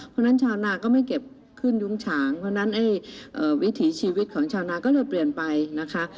เพราะฉะนั้นชาวนาก็ไม่เก็บขึ้นยุ้งฉางเพราะฉะนั้นวิถีชีวิตของชาวนาก็เลยเปลี่ยนไปนะคะ